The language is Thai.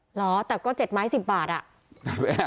เหรอแต่ก็๗ไม้๑๐บาทอ่ะ